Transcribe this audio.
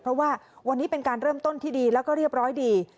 เพราะว่าวันนี้เป็นการเริ่มต้นที่ดีแล้วก็เรียบร้อยดี